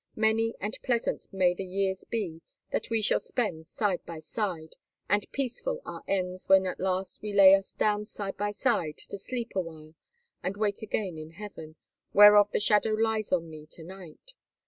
Many and pleasant may the years be that we shall spend side by side, and peaceful our ends when at last we lay us down side by side to sleep awhile and wake again in heaven, whereof the shadow lies on me to night.